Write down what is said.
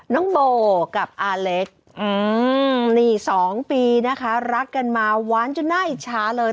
น้องโบกับอาเล็กนี่๒ปีนะคะรักกันมาหวานจนน่าอิจฉาเลย